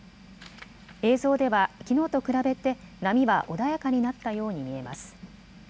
映像ではきのうと比べて波は穏やかになったように見えます。